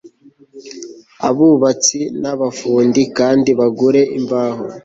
abubatsi n abafundi kandi bagure imbaho